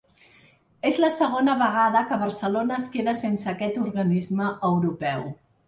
És la segona vegada que Barcelona es queda sense aquest organisme europeu.